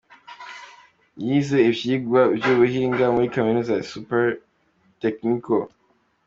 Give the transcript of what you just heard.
Yize ivyigwa vy’ubuhinga muri kaminuza ya ‘Superior Tecnico’.